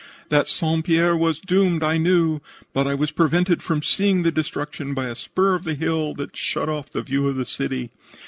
"That St. Pierre was doomed I knew, but I was prevented from seeing the destruction by a spur of the hill that shut off the view of the city.